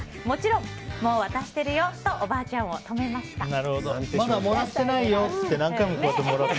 もちろん、もう渡してるよとおばあちゃんを止めました。